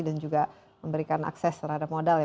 dan juga memberikan akses terhadap modal ya